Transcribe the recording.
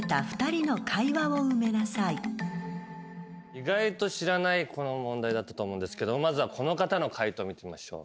意外と知らないこの問題だったと思うんですがまずはこの方の解答見てみましょう。